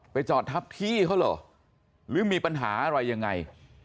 จอดทับที่เขาเหรอหรือมีปัญหาอะไรยังไง